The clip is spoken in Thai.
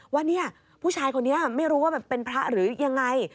ว่าเนี่ยผู้ชายคนนี้ไม่รู้ว่าเป็นพระหรือยังไง